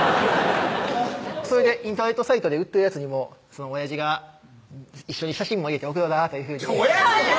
それでインターネットサイトで売ってるやつにもおやじが一緒に写真も入れて送ろうというふうにおやじ‼おやじ！